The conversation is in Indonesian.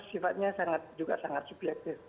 sifatnya juga sangat subjektif